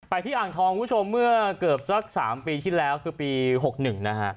ที่อ่างทองคุณผู้ชมเมื่อเกือบสัก๓ปีที่แล้วคือปี๖๑นะฮะ